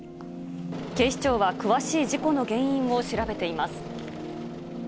警視庁は詳しい事故の原因を調べています。